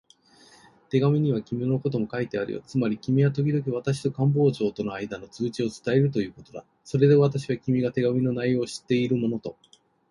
手紙には君のことも書いてあるよ。つまり君はときどき私と官房長とのあいだの通知を伝えるということだ。それで私は、君が手紙の内容を知っているものと